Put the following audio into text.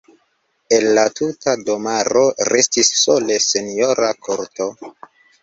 El la tuta domaro restis sole senjora korto.